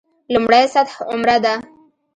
لومړۍ سطح عمره ده.